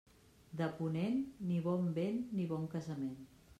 De ponent, ni bon vent ni bon casament.